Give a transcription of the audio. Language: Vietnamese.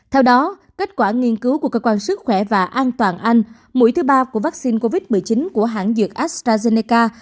theo đó kết quả nghiên cứu của cơ quan sức khỏe và an toàn anh mũi thứ ba của vaccine covid một mươi chín của hãng dược astrazeneca